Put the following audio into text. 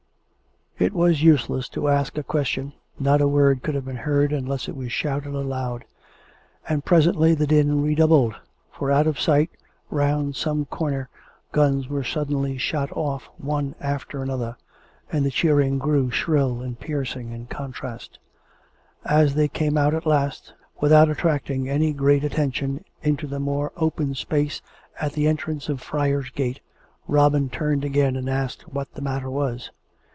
It was useless to ask a question; not a word could have been heard unless it were shouted aloud; and presently the din redoubled; for out of sight^ round some corner, guns 434 COME RACK! COME ROPE! were suddenly shot off one after another; and the cheering grew shrill and piercing in contrast. As they came out at last, without attracting any great attention, into the more open space at the entrance of Friar's Gate, Robin turned again and asked what the matter was.